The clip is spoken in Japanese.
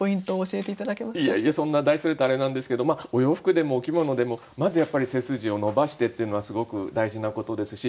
いやいやそんな大それたあれなんですけどお洋服でもお着物でもまずやっぱり背筋を伸ばしてっていうのはすごく大事なことですし